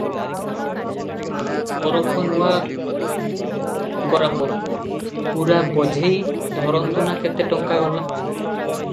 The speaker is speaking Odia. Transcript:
ଅରଖ ନୂଆ ଗୋରାପ, ପୂରା ବୋଝେଇ, ଧରନ୍ତୁ ନା କେତେ ଟଙ୍କା ଗଲା?